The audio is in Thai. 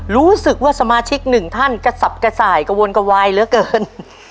รู้สึกว่าสมาชิกหนึ่งท่านกระสับกระส่ายกระวนกระวายเหลือเกิน